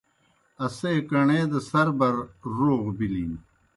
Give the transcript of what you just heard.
اسے کݨے دہ سربر روغ بِلِن۔